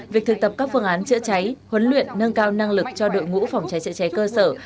việc thực tập các phương án chữa cháy huấn luyện nâng cao năng lực cho đội ngũ phòng cháy chữa cháy cơ sở